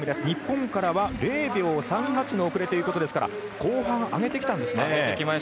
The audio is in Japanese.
日本からは０秒３８の遅れということですから後半、上げてきたんですね。